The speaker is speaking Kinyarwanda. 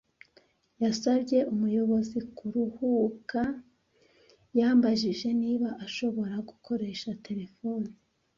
Yasabye umuyobozi kuruhuka. Yambajije niba ashobora gukoresha terefone.